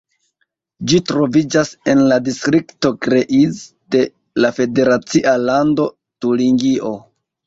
Ĝi troviĝas en la distrikto Greiz de la federacia lando Turingio.